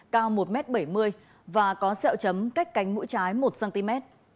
cao một m bảy mươi và có sẹo chấm cách cánh mũi trái một cm